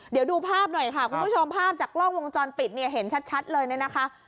เดี๋ยวดูภาพหน่อยค่ะคุณผู้ชมภาพจากกล้องวงจรปิดเนี่ยเห็นชัดเลยเนี่ยนะคะ